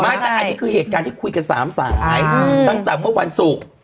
ไม่แต่อันนี้คือเหตุการณ์ที่คุยกัน๓สายตั้งแต่เมื่อวันศุกร์